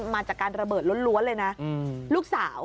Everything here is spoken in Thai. มาจากการระเบิดล้วนเลยนะลูกสาว